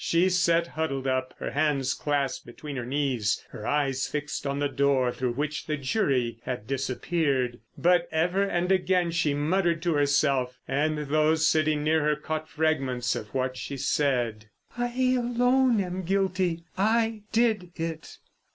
She sat huddled up, her hands clasped between her knees, her eyes fixed on the door through which the jury had disappeared. But ever and again she muttered to herself, and those sitting near her caught fragments of what she said: "_I alone am guilty. I did it.